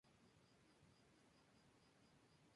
Al finalizar, fue presentado en el estudio Carlos Balá.